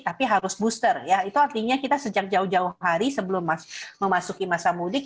tapi harus booster ya itu artinya kita sejak jauh jauh hari sebelum memasuki masa mudik